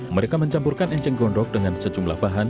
mereka mencampurkan enceng gondok dengan sejumlah bahan